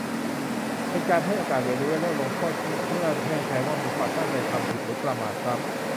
เป็นการให้โอกาสเรียนรู้ และเริ่มลงโทษเมื่อแน่ใจว่ามีความตั้งใจทำผิดหรือประมาทซ้ำ